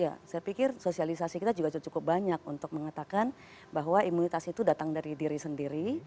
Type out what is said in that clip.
ya saya pikir sosialisasi kita juga cukup banyak untuk mengatakan bahwa imunitas itu datang dari diri sendiri